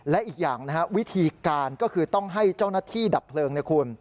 และอีกอย่างนะฮะวิธีการก็คือต้องให้เจ้าหน้าที่ดับเพลิงนะคุณ